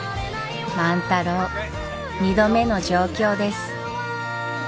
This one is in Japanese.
万太郎２度目の上京です。